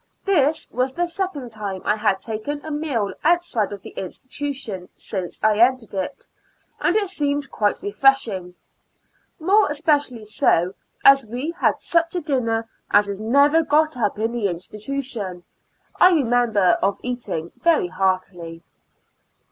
This was the second time I had taken a meal outside of the institution since I entered it, and it seemed quite refreshing; IN A L TTKATIC ASTL UIL 143 more especially so, as we had such a dinner as is never got up in the institution. I remember of eating very heartily.